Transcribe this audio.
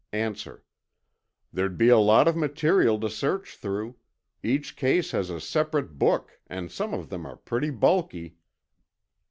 A. There'd be a lot of material to search through. Each case has a separate book, and some of them are pretty bulky.